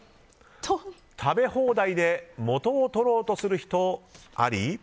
食べ放題で元を取ろうとする人あり？